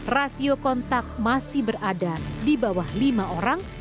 rasio kontak masih berada di bawah lima orang